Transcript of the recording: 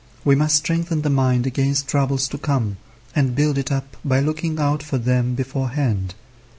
We must strengthen the mind against troubles to come, and build it up by looking out for them beforehand.